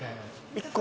１個。